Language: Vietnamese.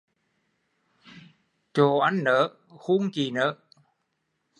Chộ anh nớ hun chị nớ